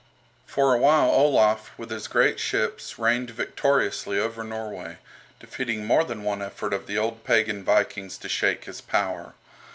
For a while Olaf, with his great ships, reigned victoriously over Norway, defeating more than one effort of the old pagan Vikings to shake his power.